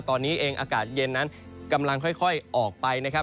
ตอนนี้เองอากาศเย็นนั้นกำลังค่อยออกไปนะครับ